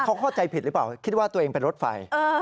เขาเข้าใจผิดหรือเปล่าคิดว่าตัวเองเป็นรถไฟ